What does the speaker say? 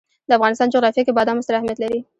د افغانستان جغرافیه کې بادام ستر اهمیت لري.